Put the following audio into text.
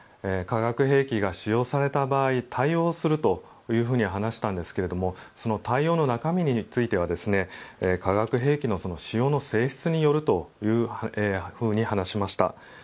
化学兵器が使用された場合対応すると話したんですけれどもその対応の中身については化学兵器の使用の性質によると話しました。